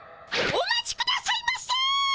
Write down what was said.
お待ちくださいませ！